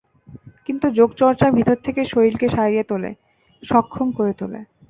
কিন্তু যোগ চর্চা ভেতর থেকে শরীরকে সারিয়ে তোলে, সক্ষম করে তোলে।